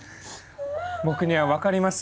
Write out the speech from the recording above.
僕には分かります。